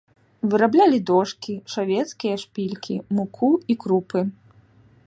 Выраблялі дошкі, шавецкія шпількі, муку і крупы.